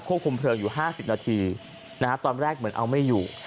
คุมเพลิงอยู่๕๐นาทีตอนแรกเหมือนเอาไม่อยู่